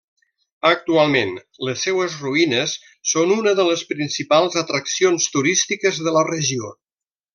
Actualment, les seues ruïnes són una de les principals atraccions turístiques de la regió.